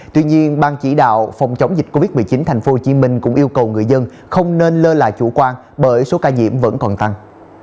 tuy nhiên ban chỉ đạo phòng chống dịch covid một mươi chín tp hcm cũng yêu cầu người dân không nên lơ là chủ quan bởi số ca nhiễm vẫn còn tăng